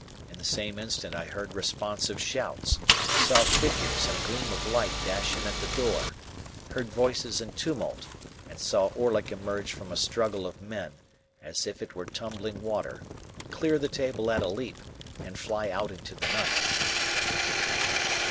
In the same instant I heard responsive shouts, saw figures and a gleam of light dash in at the door, heard voices and tumult, and saw Orlick emerge from a struggle of men, as if it were tumbling water, clear the table at a leap, and fly out into the night.